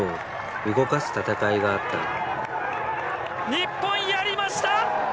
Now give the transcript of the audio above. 日本やりました！